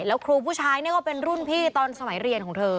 แล้วครูผู้ชายเนี่ยก็เป็นรุ่นพี่ตอนสมัยเรียนของเธอ